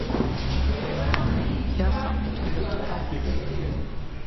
იახა, მუთუნ ვეგიპალუდ.